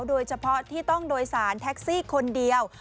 โดยเฉพาะที่ต้องโดยสารแท็กซี่คนเดียว